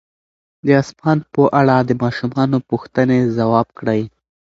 د اسمان په اړه د ماشومانو پوښتنې ځواب کړئ.